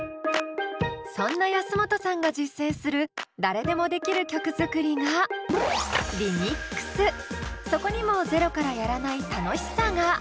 そんな安本さんが実践する誰でもできる曲作りがそこにもゼロからやらない楽しさが。